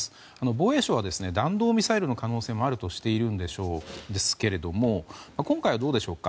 防衛省は弾道ミサイルの可能性もあるとしているんですけれども今回はどうでしょうか。